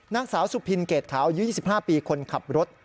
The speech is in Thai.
นางสาวสุพินเกรดขาวอายุ๒๕ปีคนขับรถ